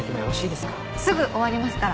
すぐ終わりますから。